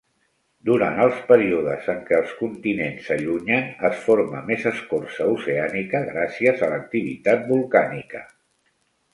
Durant els períodes en què els continents s'allunyen, es forma més escorça oceànica gràcies a l'activitat volcànica